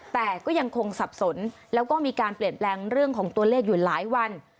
แต่ก็ยังคงสับสนแล้วก็มีการเปลี่ยนแปลงเรื่องของตัวเลขอยู่หลายวัน